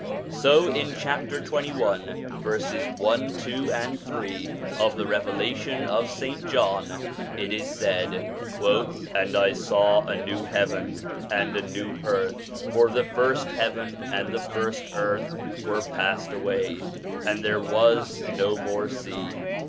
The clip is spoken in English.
So in chapter 21, verses 1, 2, and 3 of the Revelation of St. John, it is said :' And I saw a new heaven and a new earth : for the first heaven and the first earth were passed away, and there was no more sea.